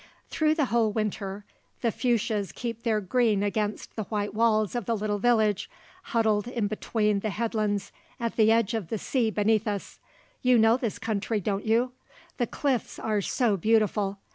Through the whole winter the fuchsias keep their green against the white walls of the little village, huddled in between the headlands at the edge of the sea beneath us. You know this country, don't you? The cliffs are so beautiful.